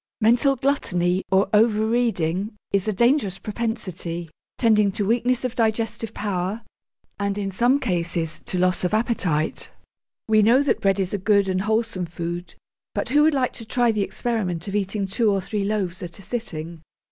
Mental gluttony, or over reading, is a dangerous propensity, tending to weakness of digestive power, and in some cases to loss of appetite: we know that bread is a good and wholesome food, but who would like to try the experiment of eating two or three loaves at a sitting?